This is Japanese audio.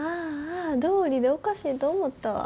どうりでおかしいと思ったわ。